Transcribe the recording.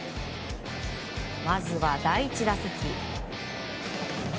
まずは第１打席。